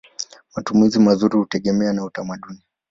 Matumizi mazuri hutegemea na utamaduni.